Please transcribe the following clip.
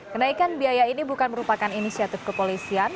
kenaikan biaya ini bukan merupakan inisiatif kepolisian